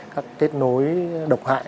các kết nối độc hại